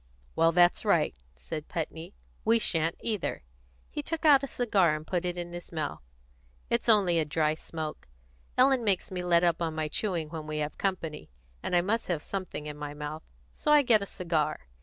"Well, that's right," said Putney. "We sha'n't either." He took out a cigar and put it into his mouth. "It's only a dry smoke. Ellen makes me let up on my chewing when we have company, and I must have something in my mouth, so I get a cigar.